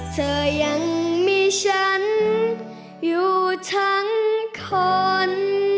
เธอยังมีฉันอยู่ทั้งคน